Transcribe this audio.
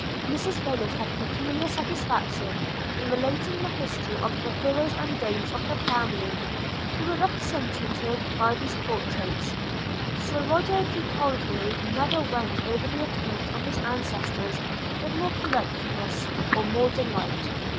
– Mrs Rayland had peculiar satisfaction in relating the history of the heroes and dames of her family, who were represented by these portraits. – Sir Roger De Coverley never went over the account of his ancestors with more correctness or more delight.